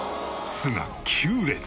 巣が９列。